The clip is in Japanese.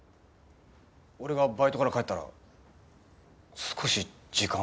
俺がバイトから帰ったら少し時間を。